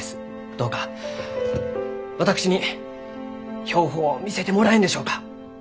どうか私に標本を見せてもらえんでしょうか？